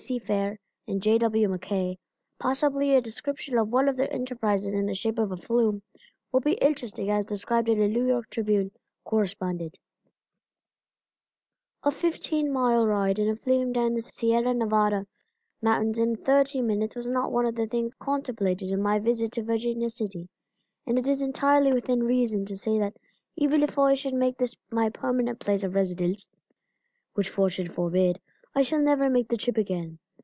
C. Fair and J. W. MacKay, possibly a description of one of their enterprises in the shape of a flume will be interesting as described by a New York Tribune correspondent: A fifteen mile ride in a flume down the Sierra Nevada Mountains in thirty minutes was not one of the things contemplated in my visit to Virginia City, and it is entirely within reason to say that even if I should make this my permanent place of residence which fortune forbid I shall never make the trip again.